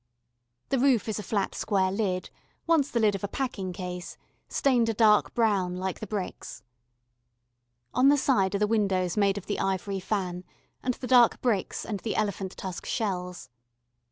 The roof is a flat square lid, once the lid of a packing case, stained a dark brown like the bricks. On the side are the windows made of the ivory fan, and the dark bricks and the elephant tusk shells.